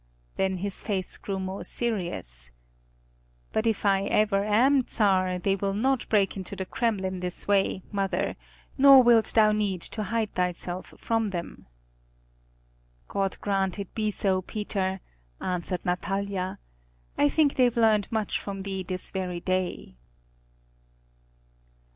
Then his face grew more serious. "But if I ever am Czar they will not break into the Kremlin this way, mother, nor wilt thou need to hide thyself from them." "God grant it be so, Peter!" answered Natalia. "I think they've learned much from thee this very day."